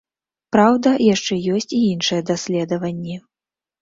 Праўда, яшчэ ёсць і іншыя даследаванні.